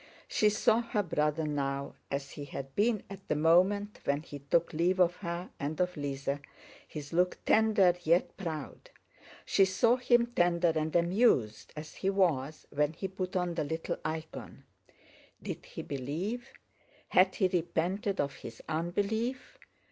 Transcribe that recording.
She saw her brother now as he had been at the moment when he took leave of her and of Lise, his look tender yet proud. She saw him tender and amused as he was when he put on the little icon. "Did he believe? Had he repented of his unbelief?